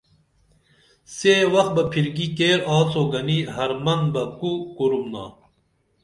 سے وخ بہ پھرکی کیر آڅو گنی حرمن بہ کو کُرُمنا